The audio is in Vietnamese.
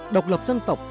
độc lập dân tộc